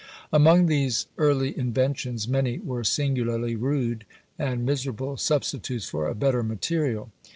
Among these early inventions many were singularly rude, and miserable substitutes for a better material.